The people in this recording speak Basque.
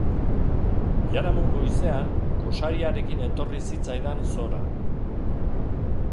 Biharamun goizean, gosariarekin etorri zitzaidan Zohra.